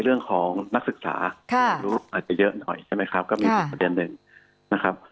เรื่องของนักศึกษาอาจจะเยอะหน่อยใช่ไหมครับก็มีอีกประเด็นหนึ่งนะครับ